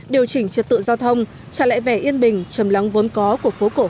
điều chỉnh trật tự giao thông trả lẽ vẻ yên bình trầm lóng vốn có của phố cổ hội an